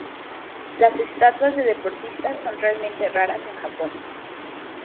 Las estatuas de deportistas son relativamente raras en Japón.